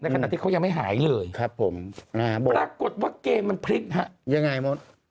ขณะที่เขายังไม่หายเลยครับผมปรากฏว่าเกมมันพลิกฮะยังไงมด